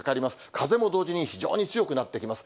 風も同時に非常に強くなってきます。